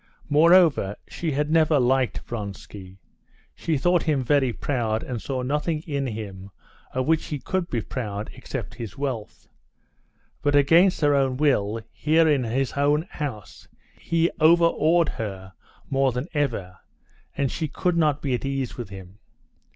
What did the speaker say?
Moreover, she had never liked Vronsky. She thought him very proud, and saw nothing in him of which he could be proud except his wealth. But against her own will, here in his own house, he overawed her more than ever, and she could not be at ease with him.